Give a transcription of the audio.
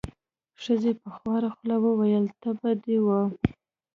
ښځې په خواره خوله وویل: تبه دې وه.